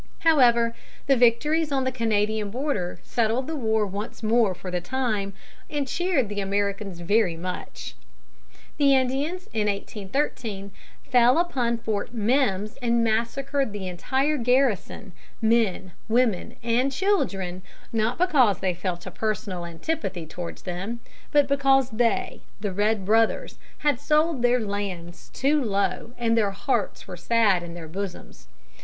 However, the victories on the Canadian border settled the war once more for the time, and cheered the Americans very much. The Indians in 1813 fell upon Fort Mimms and massacred the entire garrison, men, women, and children, not because they felt a personal antipathy towards them, but because they the red brothers had sold their lands too low and their hearts were sad in their bosoms.